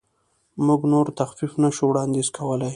موږ نور تخفیف نشو وړاندیز کولی.